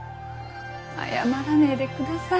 謝らねぇでください。